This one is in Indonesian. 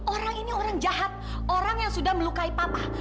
orang ini orang jahat orang yang sudah melukai papah